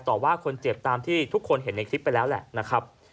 ต่อว่าคนเจ็บตามที่ทุกคนเห็นในคลิปไปแล้วแหละนะครับ